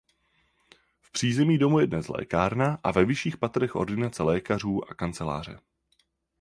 V přízemí domu je dnes lékárna a ve vyšších patrech ordinace lékařů a kanceláře.